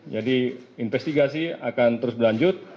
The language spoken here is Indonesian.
jadi investigasi akan terus berlanjut